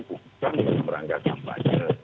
bukan merangkakkan banyak